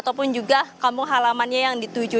ataupun juga kampung halamannya yang dituju